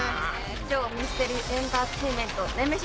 超ミステリーエンターテインメント『ネメシス』。